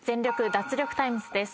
脱力タイムズ』です。